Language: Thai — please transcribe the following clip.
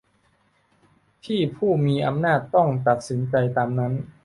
ที่ผู้มีอำนาจต้องตัดสินใจตามนั้น